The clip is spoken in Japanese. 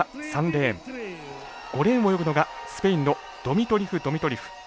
５レーンを泳ぐのがスペインのドミトリフドミトリフ。